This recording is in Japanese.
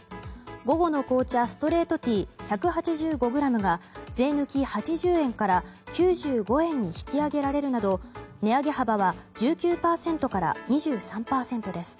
午後の紅茶ストレートティー１８５ｇが税抜き８０円から９５円に引き上げられるなど値上げ幅は１９％から２３％です。